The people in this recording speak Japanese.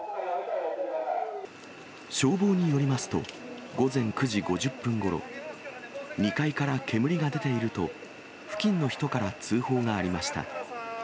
消防によりますと、午前９時５０分ごろ、２階から煙が出ていると、付近の人から通報がありました。